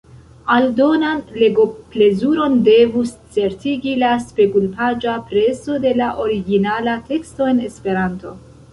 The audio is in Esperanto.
Aldonan legoplezuron devus certigi la spegulpaĝa preso de la originala teksto en Esperanto.